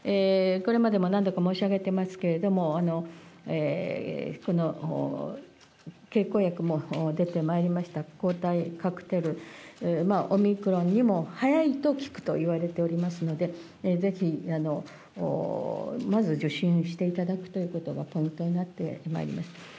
これまでも何度か申し上げてますけれども、経口薬も出てまいりました、抗体カクテル、オミクロンにも早いと効くといわれておりますので、ぜひまず受診していただくということがポイントになってまいります。